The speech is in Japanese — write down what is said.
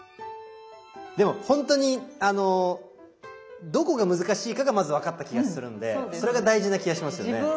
でもほんとにどこが難しいかがまず分かった気がするんでそれが大事な気がしますよね。